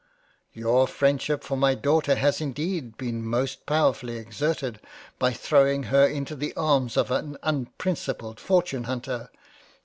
M Your Freindship for my Daughter has indeed been most powerfully exerted by throwing her into the arms of an un principled Fortune hunter."